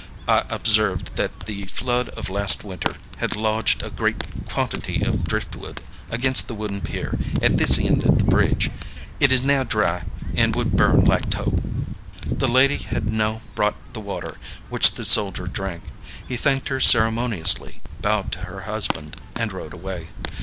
"I observed that the flood of last winter had lodged a great quantity of driftwood against the wooden pier at this end of the bridge. It is now dry and would burn like tow." The lady had now brought the water, which the soldier drank. He thanked her ceremoniously, bowed to her husband, and rode away.